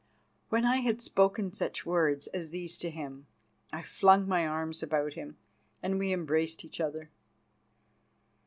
When I had spoken such words as these to him, I flung my arms about him, and we embraced each other.